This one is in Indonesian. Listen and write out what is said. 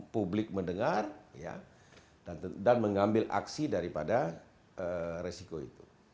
publik mendengar dan mengambil aksi daripada resiko itu